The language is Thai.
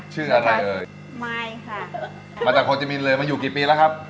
ชื่ออะไรเอ่ยไม่ค่ะมาจากโคจิมินเลยมาอยู่กี่ปีแล้วครับ